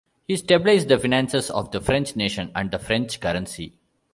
He stabilized the finances of the French nation and the French currency.